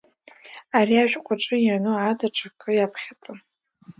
Ари ашәҟәаҿы иану ада ҽакы иаԥхьатәым.